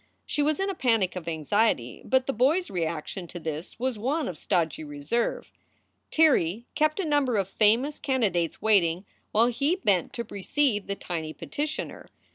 She was in a panic of anxiety, but the boy s reaction to this was one of stodgy reserve. Tirrey kept a number of famous candidates waiting while he bent to receive the tiny petitioner.